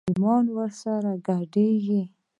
ايمان ور سره ګډېږي.